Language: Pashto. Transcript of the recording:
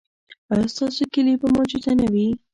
ایا ستاسو کیلي به موجوده نه وي؟